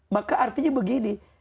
maka artinya begini